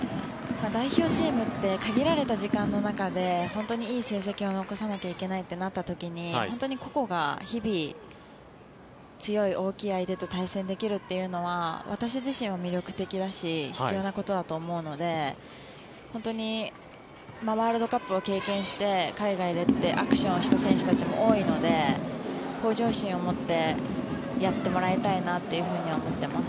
代表チームって限られた時間の中でいい成績を残さなきゃいけないとなった時に本当に個々が日々強い大きい相手と対戦できるというのは私自身は魅力的だし必要なことだと思うのでワールドカップを経験して海外でってアクションした選手たちも多いので向上心を持ってやってもらいたいなと思っています。